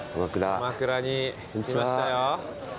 鎌倉に来ましたよ。